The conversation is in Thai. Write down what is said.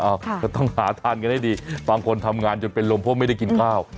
ก็ต้องหาทานกันให้ดีบางคนทำงานจนเป็นลมเพราะไม่ได้กินข้าว